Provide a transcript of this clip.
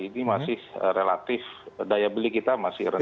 ini masih relatif daya beli kita masih rendah